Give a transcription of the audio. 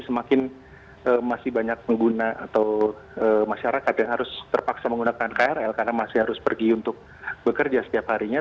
semakin masih banyak pengguna atau masyarakat yang harus terpaksa menggunakan krl karena masih harus pergi untuk bekerja setiap harinya